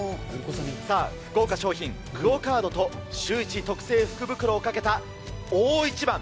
さあ、豪華賞品、クオカードと、シューイチ特製福袋をかけた大一番。